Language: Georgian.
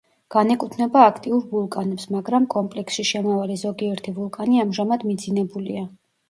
განეკუთვნება აქტიურ ვულკანებს, მაგრამ კომპლექსში შემავალი ზოგიერთი ვულკანი ამჟამად მიძინებულია.